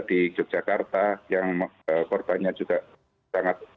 di yogyakarta yang korbannya juga sangat